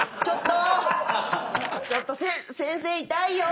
ちょっと！